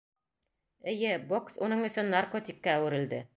— Эйе, бокс уның өсөн наркотикка әүерелде.